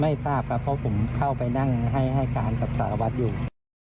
ไม่ทราบเพราะผมเข้าไปนั่งให้การตัพสาวัทย์อยู่